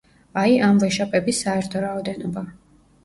აი, ამ ვეშაპების საერთო რაოდენობა.